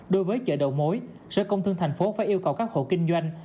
đối với chợ đầu mối sở công thương thành phố phải yêu cầu các hộ kinh doanh